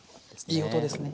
いい音ですね。